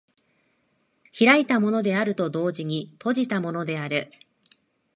開いたものであると同時に閉じたものである。